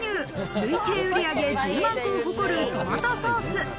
累計売上１０万個を誇るトマトソース。